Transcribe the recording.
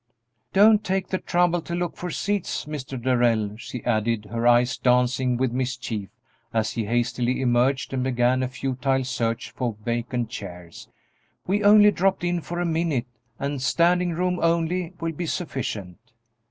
"Don't take the trouble to look for seats, Mr. Darrell," she added, her eyes dancing with mischief as he hastily emerged and began a futile search for vacant chairs, "we only dropped in for a minute, and 'standing room only' will be sufficient."